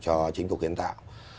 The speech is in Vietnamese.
cho chính phủ kiến tạo